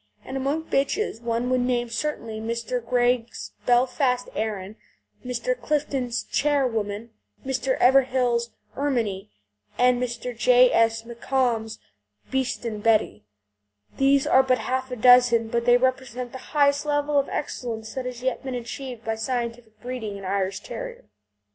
And among bitches one would name certainly Mr. Gregg's Belfast Erin, Mr. Clifton's Charwoman, Mr. Everill's Erminie, and Mr. J. S. McComb's Beeston Betty. These are but half a dozen, but they represent the highest level of excellence that has yet been achieved by scientific breeding in Irish Terrier type.